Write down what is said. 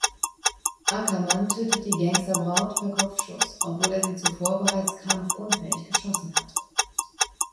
Ackerman tötet die „Gangsterbraut“ per Kopfschuss, obwohl er sie zuvor bereits kampfunfähig geschossen hatte.